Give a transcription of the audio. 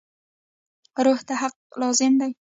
روح ته حق لازم دی.